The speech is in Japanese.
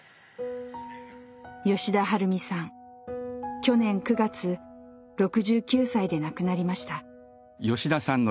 去年９月６９歳で亡くなりました。